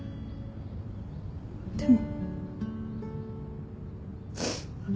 でも。